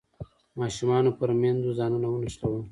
ماشومانو پر میندو ځانونه ونښلول.